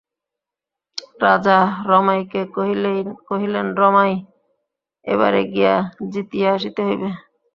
রাজা রমাইকে কহিলেন, রমাই, এবারে গিয়া জিতিয়া আসিতে হইবে।